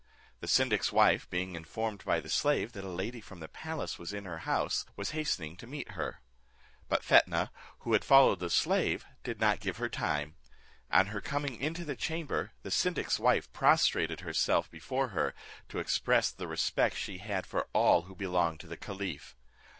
The syndic's wife being informed by the slave, that a lady from the palace was in her house, was hastening to meet her; but Fetnah, who had followed the slave, did not give her time: on her coming into the chamber, the syndic's wife prostrated herself before her, to express the respect she had for all who belonged to the caliph.